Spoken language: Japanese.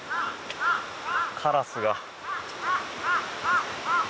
カラスが。